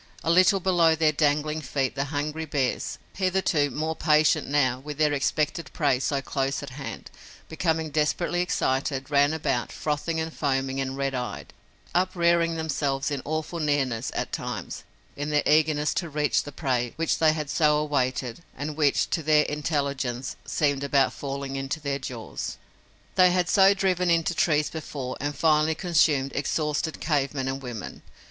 A little below their dangling feet the hungry bears, hitherto more patient, now, with their expected prey so close at hand, becoming desperately excited, ran about, frothing and foaming and red eyed, uprearing themselves in awful nearness, at times, in their eagerness to reach the prey which they had so awaited and which, to their intelligence, seemed about falling into their jaws. They had so driven into trees before, and finally consumed exhausted cave men and women.